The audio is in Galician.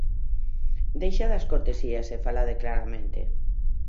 Deixade as cortesías e falade claramente.